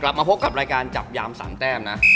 มาพบกับรายการจับยาม๓แต้มนะ